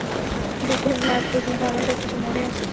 দুর্ঘটনার আগ পর্যন্ত আমার সবকিছু মনে আছে।